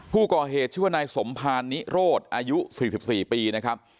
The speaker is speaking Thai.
ผู้ก่อเหตุชื่อว่านายสมภารนิโรธอายุ๔๔ปีนะครับ